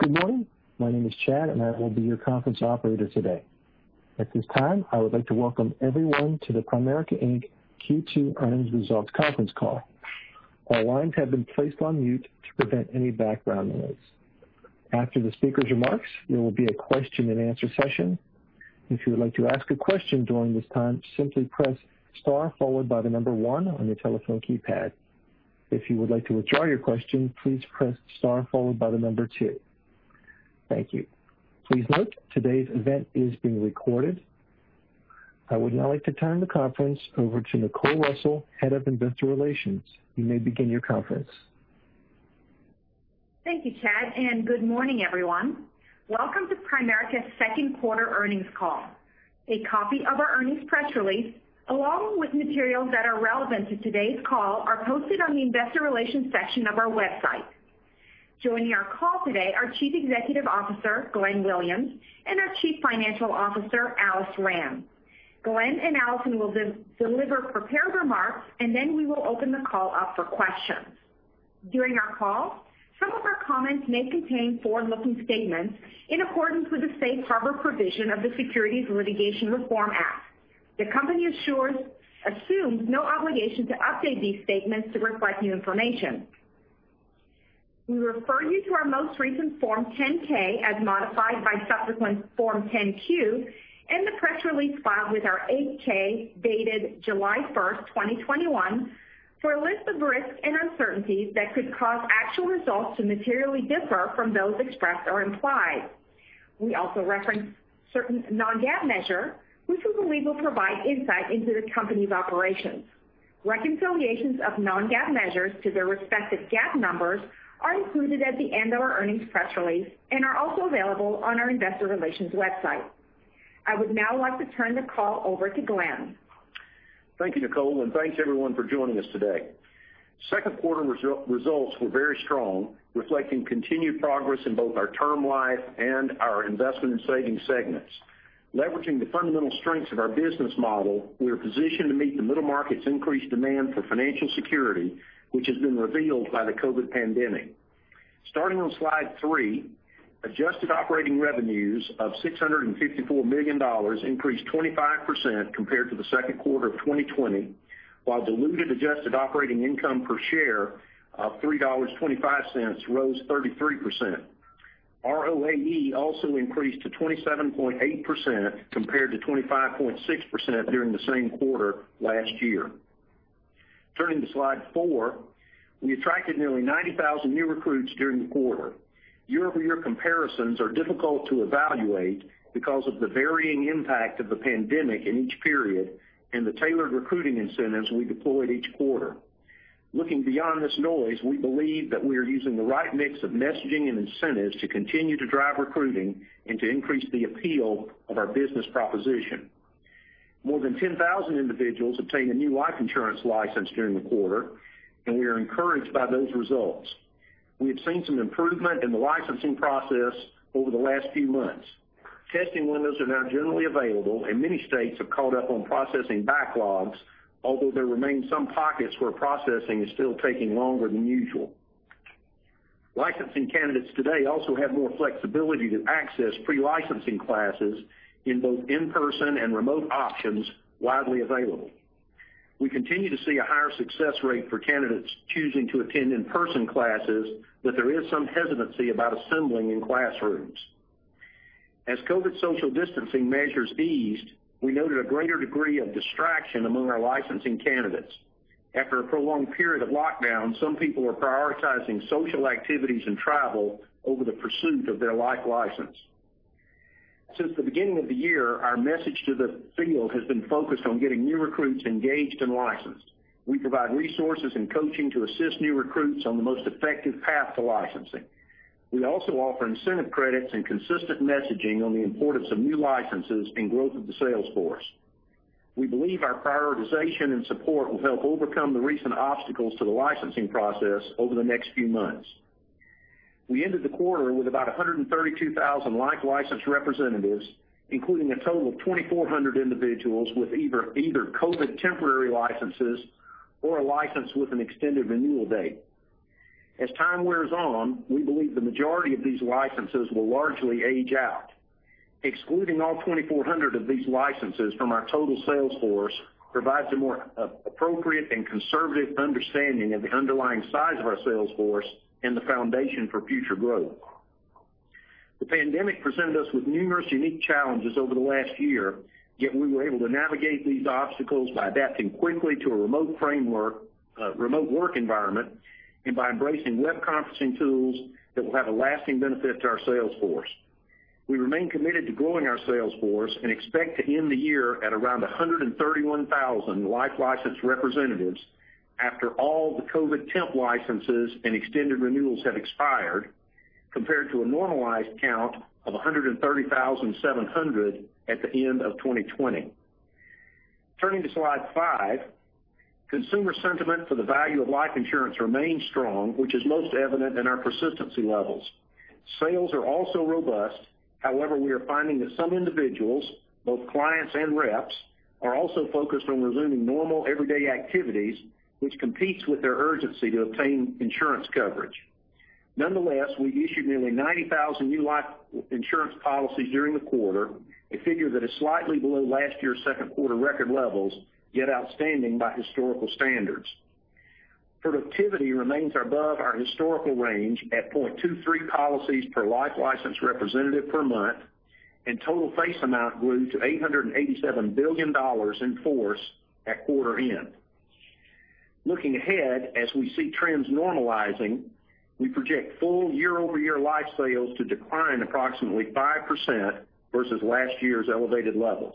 Good morning. My name is Chad, and I will be your conference operator today. At this time, I would like to welcome everyone to the Primerica, Inc. Q2 Earnings Results Conference Call. All lines have been placed on mute to prevent any background noise. After the speaker's remarks, there will be a question and answer session. If you would like to ask a question during this time, simply press star followed by the number one on your telephone keypad. If you would like to withdraw your question, please press star followed by the number two. Thank you. Please note, today's event is being recorded. I would now like to turn the conference over to Nicole Russell, Head of Investor Relations. You may begin your conference. Thank you, Chad, and good morning, everyone. Welcome to Primerica's second quarter earnings call. A copy of our earnings press release, along with materials that are relevant to today's call, are posted on the investor relations section of our website. Joining our call today are Chief Executive Officer, Glenn Williams, and our Chief Financial Officer, Alison Rand. Glenn and Alison will then deliver prepared remarks, and then we will open the call up for questions. During our call, some of our comments may contain forward-looking statements in accordance with the safe harbor provision of the Securities Litigation Reform Act. The company assumes no obligation to update these statements to reflect new information. We refer you to our most recent Form 10-K, as modified by subsequent Form 10-Q, and the press release filed with our 8-K, dated July 1st, 2021, for a list of risks and uncertainties that could cause actual results to materially differ from those expressed or implied. We also reference certain non-GAAP measures, which we believe will provide insight into the company's operations. Reconciliations of non-GAAP measures to their respective GAAP numbers are included at the end of our earnings press release and are also available on our investor relations website. I would now like to turn the call over to Glenn. Thank you, Nicole, and thanks, everyone, for joining us today. Second quarter results were very strong, reflecting continued progress in both our Term Life and our Investment and Savings segments. Leveraging the fundamental strengths of our business model, we are positioned to meet the middle market's increased demand for financial security, which has been revealed by the COVID pandemic. Starting on slide three, adjusted operating revenues of $654 million increased 25% compared to the second quarter of 2020, while diluted adjusted operating income per share of $3.25 rose 33%. ROAE also increased to 27.8% compared to 25.6% during the same quarter last year. Turning to slide four, we attracted nearly 90,000 new recruits during the quarter. Year-over-year comparisons are difficult to evaluate because of the varying impact of the pandemic in each period and the tailored recruiting incentives we deployed each quarter. Looking beyond this noise, we believe that we are using the right mix of messaging and incentives to continue to drive recruiting and to increase the appeal of our business proposition. More than 10,000 individuals obtained a new life insurance license during the quarter, and we are encouraged by those results. We have seen some improvement in the licensing process over the last few months. Testing windows are now generally available, and many states have caught up on processing backlogs, although there remain some pockets where processing is still taking longer than usual. Licensing candidates today also have more flexibility to access pre-licensing classes in both in-person and remote options widely available. We continue to see a higher success rate for candidates choosing to attend in-person classes, but there is some hesitancy about assembling in classrooms. As COVID social distancing measures eased, we noted a greater degree of distraction among our licensing candidates. After a prolonged period of lockdown, some people are prioritizing social activities and travel over the pursuit of their life license. Since the beginning of the year, our message to the field has been focused on getting new recruits engaged and licensed. We provide resources and coaching to assist new recruits on the most effective path to licensing. We also offer incentive credits and consistent messaging on the importance of new licenses and growth of the sales force. We believe our prioritization and support will help overcome the recent obstacles to the licensing process over the next few months. We ended the quarter with about 132,000 life license representatives, including a total of 2,400 individuals with either COVID temporary licenses or a license with an extended renewal date. As time wears on, we believe the majority of these licenses will largely age out. Excluding all 2,400 of these licenses from our total sales force provides a more appropriate and conservative understanding of the underlying size of our sales force and the foundation for future growth. The pandemic presented us with numerous unique challenges over the last year, yet we were able to navigate these obstacles by adapting quickly to a remote work environment and by embracing web conferencing tools that will have a lasting benefit to our sales force. We remain committed to growing our sales force and expect to end the year at around 131,000 life license representatives after all the COVID temp licenses and extended renewals have expired, compared to a normalized count of 130,700 at the end of 2020. Turning to slide five, consumer sentiment for the value of life insurance remains strong, which is most evident in our persistency levels. Sales are also robust. However, we are finding that some individuals, both clients and reps, are also focused on resuming normal everyday activities, which competes with their urgency to obtain insurance coverage. Nonetheless, we issued nearly 90,000 new life insurance policies during the quarter, a figure that is slightly below last year's second quarter record levels, yet outstanding by historical standards. Productivity remains above our historical range at 0.23 policies per life licensed representative per month, and total face amount grew to $887 billion in force at quarter end. Looking ahead, as we see trends normalizing, we project full year-over-year life sales to decline approximately 5% versus last year's elevated levels.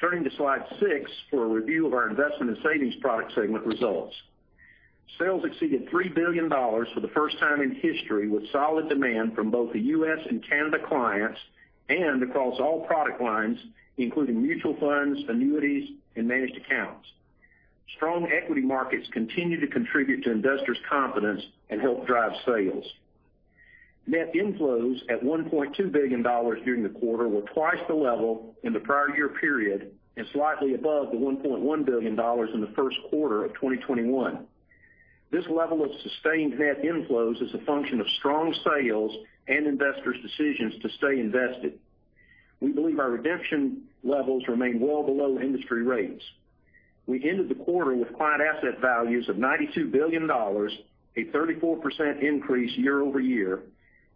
Turning to Slide Six for a review of our Investment and Savings Products segment results. Sales exceeded $3 billion for the first time in history, with solid demand from both the U.S. and Canada clients, and across all product lines, including mutual funds, annuities, and managed accounts. Strong equity markets continue to contribute to investors' confidence and help drive sales. Net inflows at $1.2 billion during the quarter were twice the level in the prior year period and slightly above the $1.1 billion in the first quarter of 2021. This level of sustained net inflows is a function of strong sales and investors' decisions to stay invested. We believe our redemption levels remain well below industry rates. We ended the quarter with client asset values of $92 billion, a 34% increase year-over-year,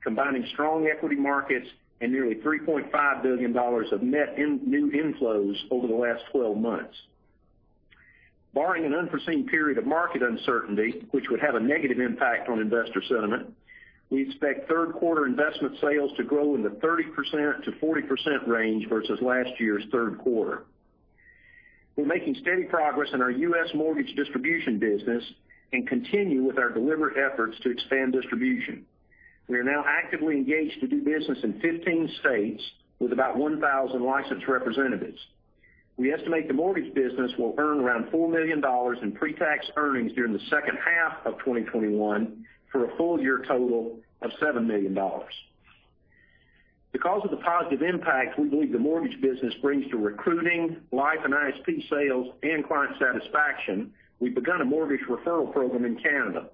combining strong equity markets and nearly $3.5 billion of net new inflows over the last 12 months. Barring an unforeseen period of market uncertainty, which would have a negative impact on investor sentiment, we expect third quarter investment sales to grow in the 30%-40% range versus last year's third quarter. We're making steady progress in our U.S. mortgage distribution business and continue with our deliberate efforts to expand distribution. We are now actively engaged to do business in 15 states with about 1,000 licensed representatives. We estimate the mortgage business will earn around $4 million in pre-tax earnings during the second half of 2021 for a full year total of $7 million. Because of the positive impact we believe the mortgage business brings to recruiting, life and ISP sales, and client satisfaction, we've begun a mortgage referral program in Canada.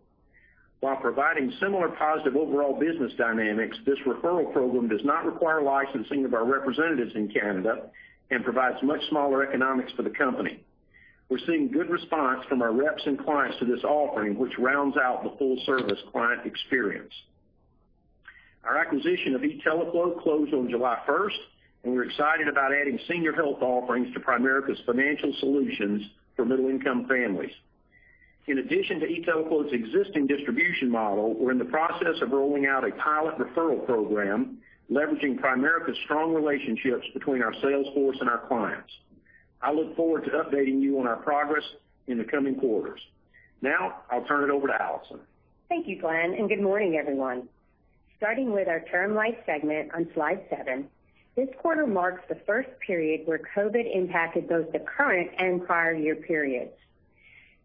While providing similar positive overall business dynamics, this referral program does not require licensing of our representatives in Canada and provides much smaller economics for the company. We're seeing good response from our reps and clients to this offering, which rounds out the full service client experience. Our acquisition of e-TeleQuote closed on July 1st, and we're excited about adding Senior Health offerings to Primerica's financial solutions for middle-income families. In addition to e-TeleQuote's existing distribution model, we're in the process of rolling out a pilot referral program leveraging Primerica's strong relationships between our sales force and our clients. I look forward to updating you on our progress in the coming quarters. I'll turn it over to Alison. Thank you, Glenn, good morning, everyone. Starting with our Term Life segment on Slide seven, this quarter marks the first period where COVID impacted both the current and prior year periods.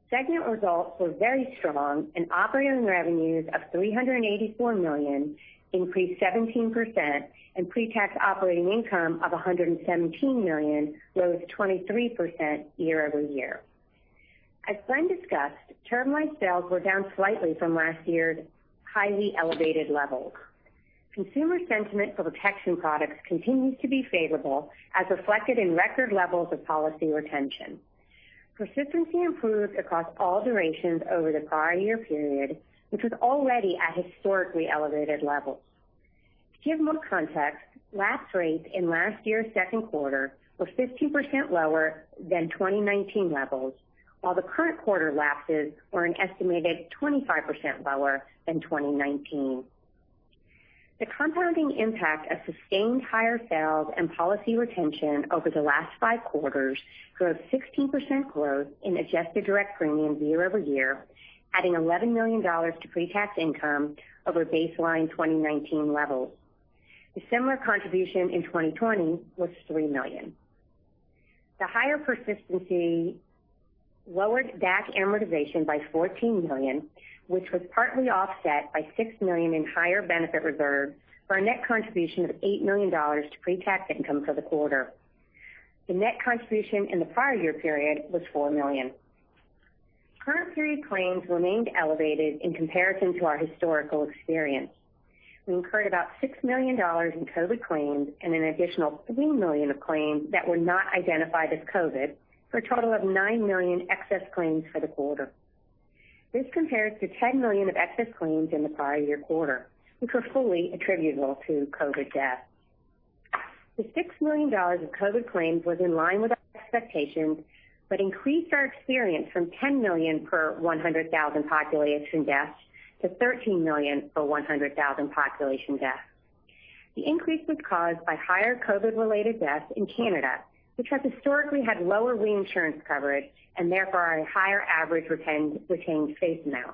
Segment results were very strong and operating revenues of $384 million increased 17%, and pre-tax operating income of $117 million rose 23% year-over-year. As Glenn discussed, Term Life sales were down slightly from last year's highly elevated levels. Consumer sentiment for protection products continues to be favorable, as reflected in record levels of policy retention. Persistency improved across all durations over the prior year period, which was already at historically elevated levels. To give more context, lapse rates in last year's second quarter were 15% lower than 2019 levels, while the current quarter lapses were an estimated 25% lower than 2019. The compounding impact of sustained higher sales and policy retention over the last five quarters drove 16% growth in adjusted direct premiums year-over-year, adding $11 million to pre-tax income over baseline 2019 levels. The similar contribution in 2020 was $3 million. The higher persistency lowered DAC amortization by $14 million, which was partly offset by $6 million in higher benefit reserves for a net contribution of $8 million to pre-tax income for the quarter. The net contribution in the prior year period was $4 million. Current period claims remained elevated in comparison to our historical experience. We incurred about $6 million in COVID claims and an additional $3 million of claims that were not identified as COVID, for a total of $9 million excess claims for the quarter. This compares to $10 million of excess claims in the prior year quarter, which were fully attributable to COVID deaths. The $6 million of COVID claims was in line with our expectations. Increased our experience from $10 million per 100,000 population deaths to $13 million per 100,000 population deaths. The increase was caused by higher COVID-related deaths in Canada, which has historically had lower reinsurance coverage and therefore a higher average retained face amount.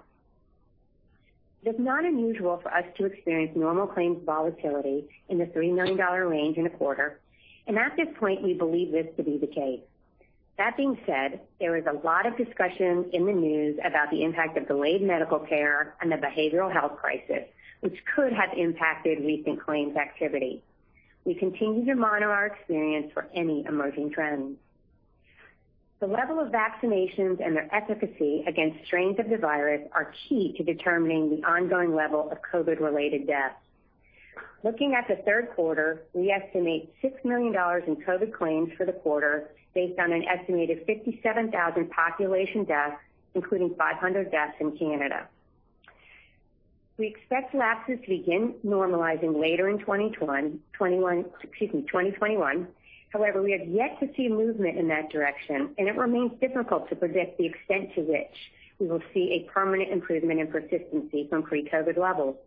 It is not unusual for us to experience normal claims volatility in the $3 million range in a quarter. At this point, we believe this to be the case. That being said, there was a lot of discussion in the news about the impact of delayed medical care and the behavioral health crisis, which could have impacted recent claims activity. We continue to monitor our experience for any emerging trends. The level of vaccinations and their efficacy against strains of the virus are key to determining the ongoing level of COVID-related deaths. Looking at the third quarter, we estimate $6 million in COVID claims for the quarter based on an estimated 57,000 population deaths, including 500 deaths in Canada. We expect lapses to begin normalizing later in 2021. However, we have yet to see movement in that direction. It remains difficult to predict the extent to which we will see a permanent improvement in persistency from pre-COVID levels.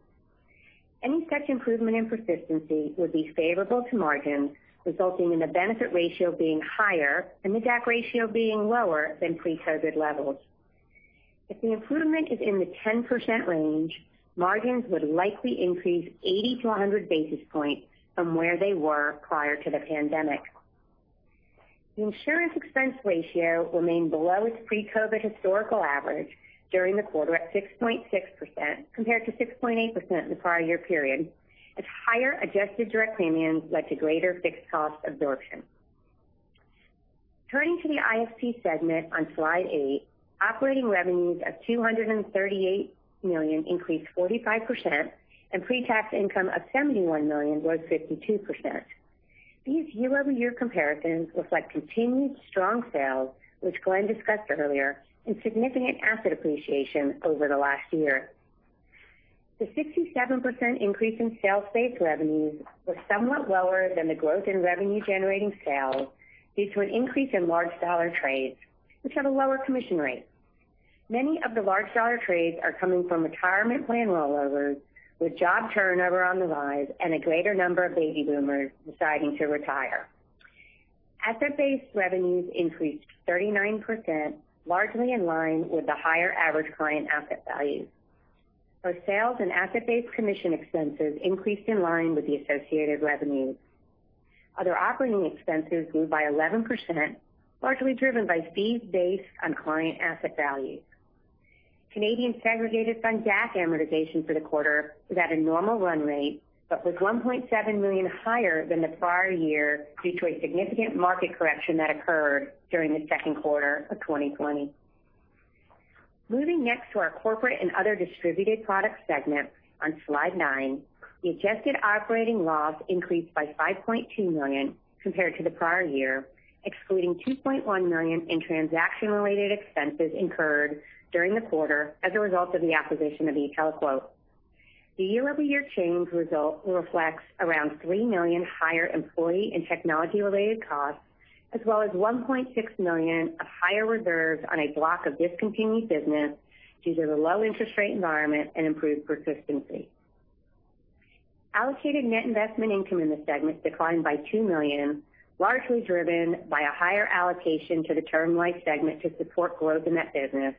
Any such improvement in persistency would be favorable to margins, resulting in the benefit ratio being higher and the DAC ratio being lower than pre-COVID levels. If the improvement is in the 10% range, margins would likely increase 80 to 100 basis points from where they were prior to the pandemic. The insurance expense ratio remained below its pre-COVID historical average during the quarter at 6.6%, compared to 6.8% in the prior year period, as higher adjusted direct premiums led to greater fixed cost absorption. Turning to the ISP segment on Slide 8, operating revenues of $238 million increased 45%. Pre-tax income of $71 million was 52%. These year-over-year comparisons reflect continued strong sales, which Glenn discussed earlier. Significant asset appreciation over the last year. The 67% increase in sales-based revenues was somewhat lower than the growth in revenue-generating sales due to an increase in large dollar trades, which have a lower commission rate. Many of the large dollar trades are coming from retirement plan rollovers, with job turnover on the rise and a greater number of baby boomers deciding to retire. Asset-based revenues increased 39%, largely in line with the higher average client asset values. Both sales and asset-based commission expenses increased in line with the associated revenues. Other operating expenses grew by 11%, largely driven by fees based on client asset values. Canadian segregated fund DAC amortization for the quarter was at a normal run rate, but was $1.7 million higher than the prior year due to a significant market correction that occurred during the second quarter of 2020. Moving next to our corporate and other distributed products segment on Slide 9, the adjusted operating loss increased by $5.2 million compared to the prior year, excluding $2.1 million in transaction-related expenses incurred during the quarter as a result of the acquisition of e-TeleQuote. The year-over-year change result reflects around $3 million higher employee and technology-related costs, as well as $1.6 million of higher reserves on a block of discontinued business due to the low interest rate environment and improved persistency. Allocated net investment income in the segment declined by $2 million, largely driven by a higher allocation to the Term Life segment to support growth in that business,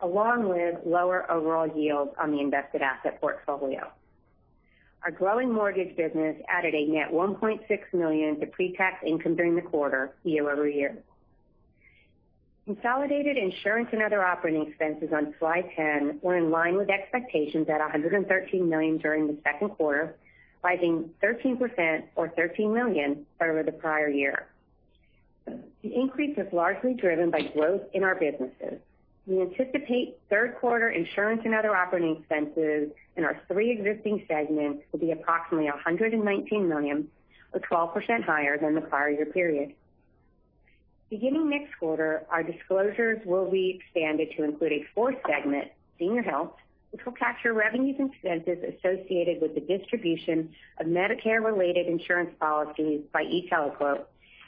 along with lower overall yields on the invested asset portfolio. Our growing mortgage business added a net $1.6 million to pre-tax income during the quarter year-over-year. Consolidated insurance and other operating expenses on Slide 10 were in line with expectations at $113 million during the second quarter, rising 13% or $13 million over the prior year. The increase was largely driven by growth in our businesses. We anticipate third quarter insurance and other operating expenses in our three existing segments will be approximately $119 million or 12% higher than the prior year period. Beginning next quarter, our disclosures will be expanded to include a fourth segment, Senior Health, which will capture revenues and expenses associated with the distribution of Medicare-related insurance policies by e-TeleQuote,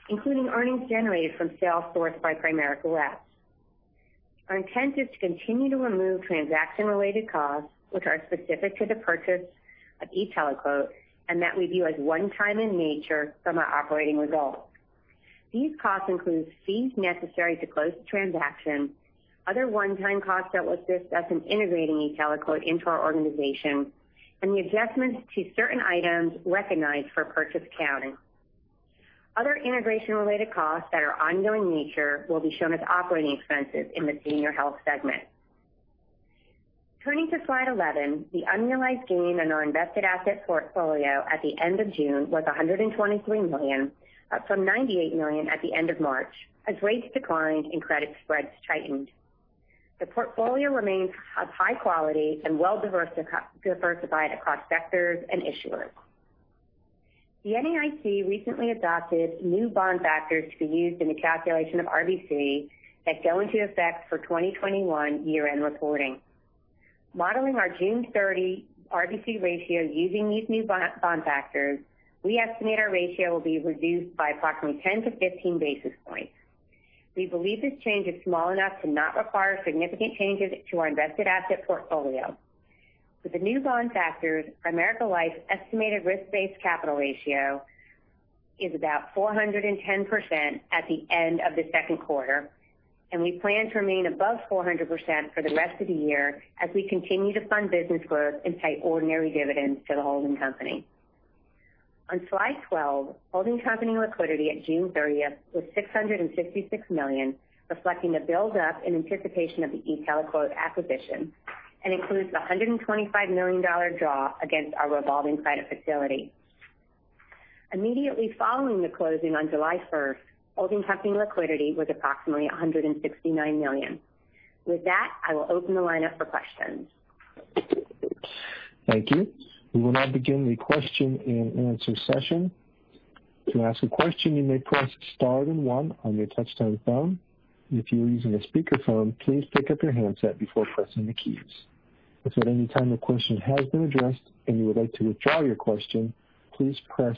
including earnings generated from sales sourced by Primerica reps. Our intent is to continue to remove transaction-related costs which are specific to the purchase of e-TeleQuote and that we view as one-time in nature from our operating results. These costs include fees necessary to close the transaction, other one-time costs that will assist us in integrating e-TeleQuote into our organization, and the adjustments to certain items recognized for purchase accounting. Other integration-related costs that are ongoing in nature will be shown as operating expenses in the Senior Health segment. Turning to Slide 11, the unrealized gain on our invested asset portfolio at the end of June was $123 million, up from $98 million at the end of March, as rates declined and credit spreads tightened. The portfolio remains of high quality and well diversified across sectors and issuers. The NAIC recently adopted new bond factors to be used in the calculation of RBC that go into effect for 2021 year-end reporting. Modeling our June 30 RBC ratio using these new bond factors, we estimate our ratio will be reduced by approximately 10 basis points-15 basis points. We believe this change is small enough to not require significant changes to our invested asset portfolio. With the new bond factors, Primerica Life's estimated risk-based capital ratio is about 410% at the end of the second quarter, and we plan to remain above 400% for the rest of the year as we continue to fund business growth and pay ordinary dividends to the holding company. On slide 12, holding company liquidity at June 30th was $666 million, reflecting the build-up in anticipation of the e-TeleQuote acquisition, and includes the $125 million draw against our revolving credit facility. Immediately following the closing on July 1st, holding company liquidity was approximately $169 million. With that, I will open the line up for questions. Thank you. We will now begin the question and answer session. To ask a question, you may press star then one on your touch-tone phone. If you are using a speakerphone, please pick up your handset before pressing the keys. If at any time your question has been addressed and you would like to withdraw your question, please press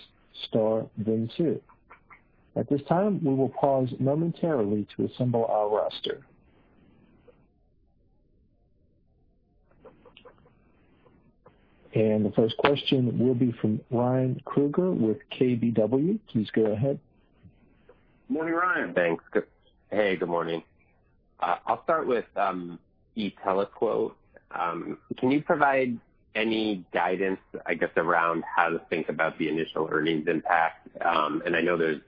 star then two. At this time, we will pause momentarily to assemble our roster. The first question will be from Ryan Krueger with KBW. Please go ahead. Morning, Ryan. Thanks. Hey, good morning. I'll start with e-TeleQuote. Can you provide any guidance, I guess, around how to think about the initial earnings impact? I know there's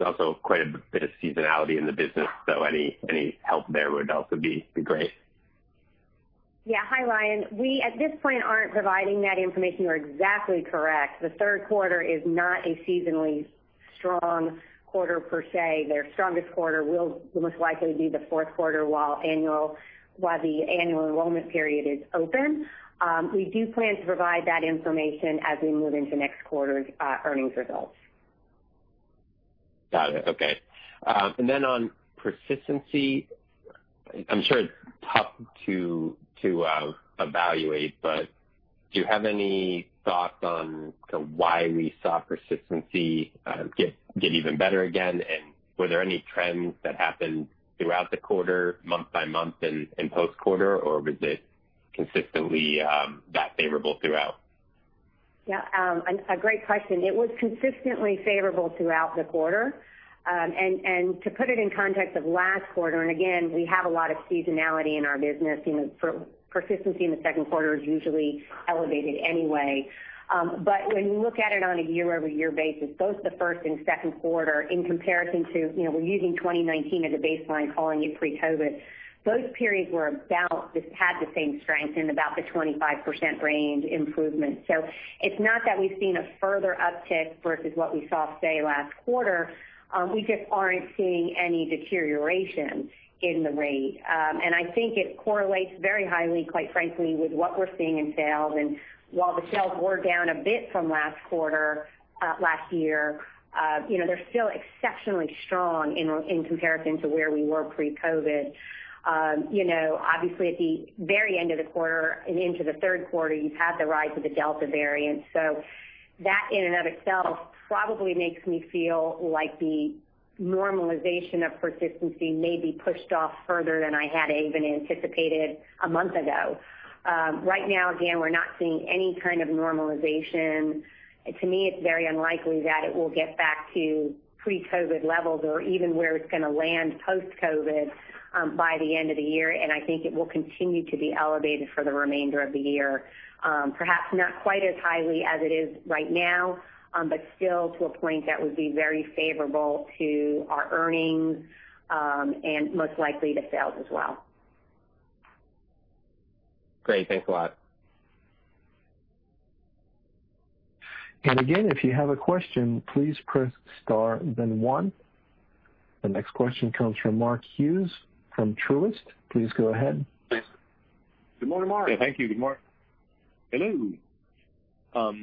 also quite a bit of seasonality in the business, any help there would also be great. Yeah. Hi, Ryan. We, at this point, aren't providing that information. You're exactly correct. The third quarter is not a seasonally strong quarter per se. Their strongest quarter will most likely be the fourth quarter while the annual enrollment period is open. We do plan to provide that information as we move into next quarter's earnings results. Got it. Okay. On persistency, I'm sure it's tough to evaluate, but do you have any thoughts on why we saw persistency get even better again? Were there any trends that happened throughout the quarter, month by month in post-quarter, or was it consistently that favorable throughout? Yeah. A great question. It was consistently favorable throughout the quarter. To put it in context of last quarter, and again, we have a lot of seasonality in our business. Persistency in the second quarter is usually elevated anyway. When you look at it on a year-over-year basis, both the first and second quarter in comparison to, we're using 2019 as a baseline, calling it pre-COVID. Those periods had the same strength in about the 25% range improvement. It's not that we've seen a further uptick versus what we saw, say, last quarter. We just aren't seeing any deterioration in the rate. I think it correlates very highly, quite frankly, with what we're seeing in sales. While the sales were down a bit from last year, they're still exceptionally strong in comparison to where we were pre-COVID. Obviously, at the very end of the quarter and into the third quarter, you've had the rise of the Delta variant. That in and of itself probably makes me feel like the normalization of persistency may be pushed off further than I had even anticipated a month ago. Right now, again, we're not seeing any kind of normalization. To me, it's very unlikely that it will get back to pre-COVID levels or even where it's going to land post-COVID by the end of the year. I think it will continue to be elevated for the remainder of the year. Perhaps not quite as highly as it is right now, but still to a point that would be very favorable to our earnings, and most likely to sales as well. Great. Thanks a lot. Again, if you have a question, please press star then one. The next question comes from Mark Hughes from Truist. Please go ahead. Thanks. Good morning, Mark. Thank you. Good morning. Hello.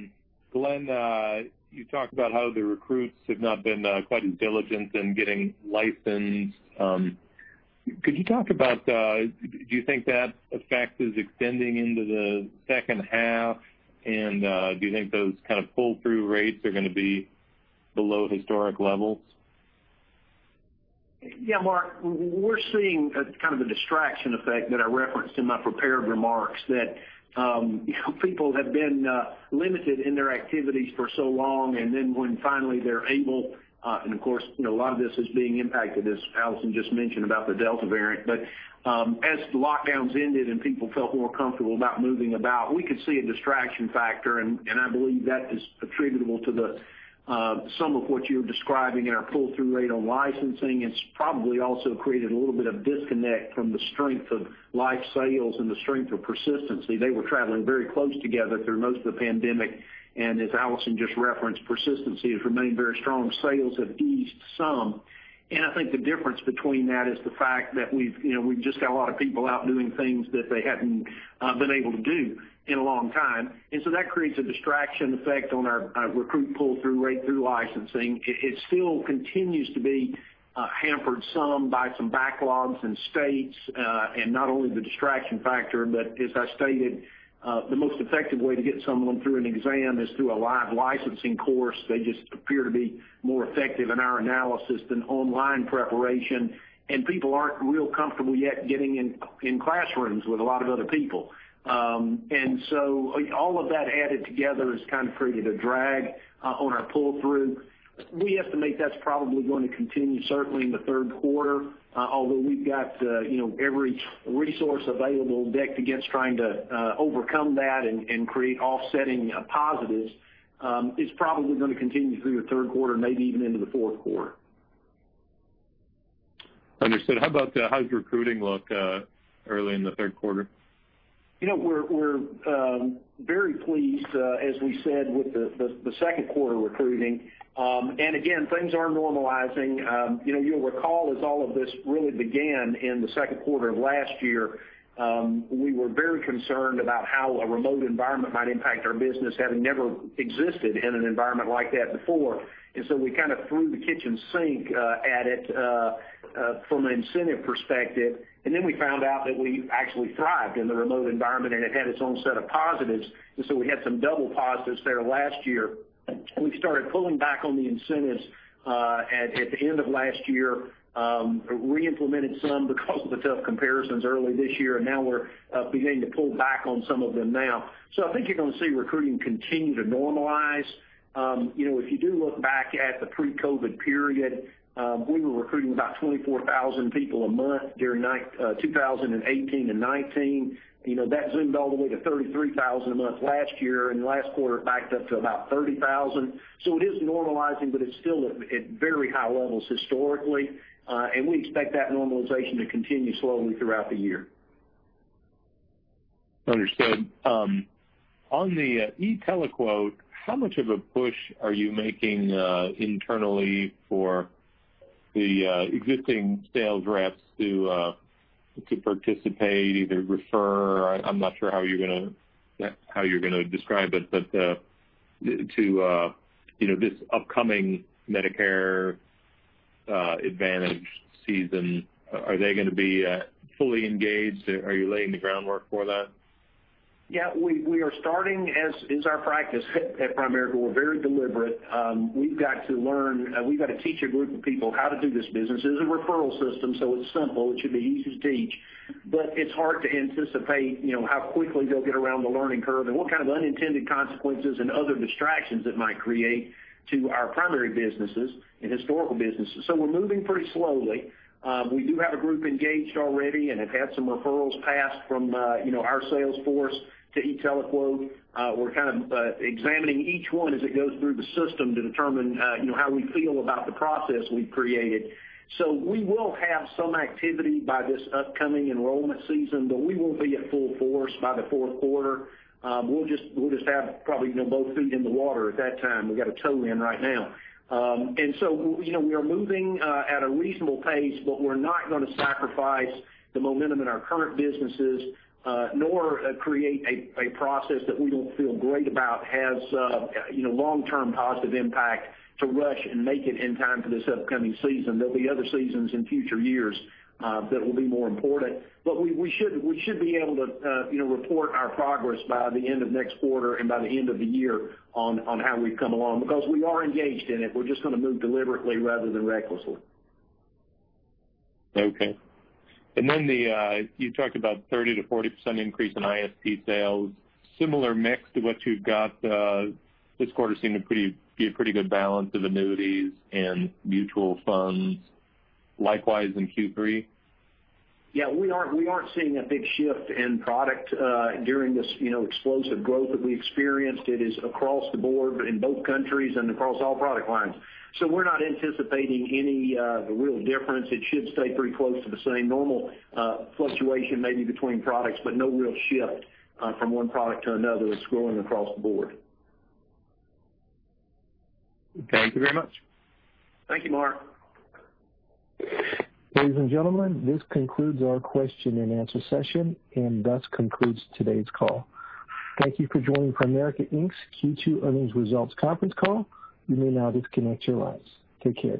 Glenn, you talked about how the recruits have not been quite as diligent in getting licensed. Could you talk about, do you think that effect is extending into the second half? Do you think those kind of pull-through rates are going to be below historic levels? Mark, we're seeing a kind of a distraction effect that I referenced in my prepared remarks that people have been limited in their activities for so long, and then when finally they're able, and of course, a lot of this is being impacted, as Alison just mentioned, about the Delta variant. As the lockdowns ended and people felt more comfortable about moving about, we could see a distraction factor, and I believe that is attributable to some of what you're describing in our pull-through rate on licensing. It's probably also created a little bit of disconnect from the strength of life sales and the strength of persistency. They were traveling very close together through most of the pandemic, and as Alison just referenced, persistency has remained very strong. Sales have eased some. I think the difference between that is the fact that we've just got a lot of people out doing things that they hadn't been able to do in a long time. That creates a distraction effect on our recruit pull-through rate through licensing. It still continues to be hampered some by some backlogs in states, and not only the distraction factor, but as I stated, the most effective way to get someone through an exam is through a live licensing course. They just appear to be more effective in our analysis than online preparation. People aren't real comfortable yet getting in classrooms with a lot of other people. All of that added together has kind of created a drag on our pull-through. We estimate that's probably going to continue certainly in the third quarter, although we've got every resource available decked against trying to overcome that and create offsetting positives. It's probably going to continue through the third quarter, maybe even into the fourth quarter. Understood. How does recruiting look early in the third quarter? We're very pleased, as we said with the second quarter recruiting. Again, things are normalizing. You'll recall as all of this really began in the second quarter of last year, we were very concerned about how a remote environment might impact our business, having never existed in an environment like that before. We kind of threw the kitchen sink at it from an incentive perspective, and then we found out that we actually thrived in the remote environment, and it had its own set of positives. We had some double positives there last year. We started pulling back on the incentives at the end of last year, reimplemented some because of the tough comparisons early this year, and now we're beginning to pull back on some of them now. I think you're going to see recruiting continue to normalize. If you do look back at the pre-COVID period, we were recruiting about 24,000 people a month during 2018 and 2019. That zoomed all the way to 33,000 a month last year, and last quarter it backed up to about 30,000. It is normalizing, but it's still at very high levels historically. We expect that normalization to continue slowly throughout the year. Understood. On the e-TeleQuote, how much of a push are you making internally for the existing sales reps to participate, either refer, I'm not sure how you're going to describe it, but to this upcoming Medicare Advantage season, are they going to be fully engaged? Are you laying the groundwork for that? Yeah. We are starting, as is our practice at Primerica, we're very deliberate. We've got to teach a group of people how to do this business. It is a referral system, it's simple. It should be easy to teach, but it's hard to anticipate how quickly they'll get around the learning curve and what kind of unintended consequences and other distractions it might create to our primary businesses and historical businesses. We're moving pretty slowly. We do have a group engaged already and have had some referrals passed from our sales force to e-TeleQuote. We're kind of examining each one as it goes through the system to determine how we feel about the process we've created. We will have some activity by this upcoming enrollment season, but we won't be at full force by the fourth quarter. We'll just have probably both feet in the water at that time. We've got a toe in right now. We are moving at a reasonable pace, we're not going to sacrifice the momentum in our current businesses, nor create a process that we don't feel great about has long-term positive impact to rush and make it in time for this upcoming season. There'll be other seasons in future years that will be more important. We should be able to report our progress by the end of next quarter and by the end of the year on how we've come along, because we are engaged in it. We're just going to move deliberately rather than recklessly. Okay. You talked about 30%-40% increase in ISP sales. Similar mix to what you've got this quarter seemed to be a pretty good balance of annuities and mutual funds. Likewise in Q3? Yeah, we aren't seeing a big shift in product during this explosive growth that we experienced. It is across the board in both countries and across all product lines. We're not anticipating any real difference. It should stay pretty close to the same normal fluctuation, maybe between products, but no real shift from one product to another. It's growing across the board. Okay. Thank you very much. Thank you, Mark. Ladies and gentlemen, this concludes our question and answer session, and thus concludes today's call. Thank you for joining Primerica, Inc.'s Q2 Earnings Results Conference Call. You may now disconnect your lines. Take care.